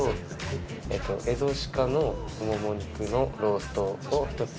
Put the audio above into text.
エゾシカのもも肉のローストを１つ。